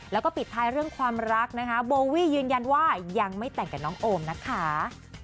แล้วก็ปิดท้ายเรื่องความรักนะคะโบวี่ยืนยันว่ายังไม่แต่งกับน้องโอมนะคะ